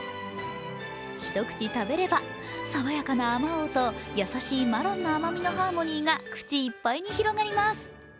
一口食べれば、爽やかなあまおうとやさしいマロンの甘みのハーモニーが口いっぱいに広がります。